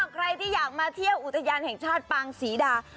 ใครที่อยากมาเที่ยวอุทยานแห่งชาติปางศรีดา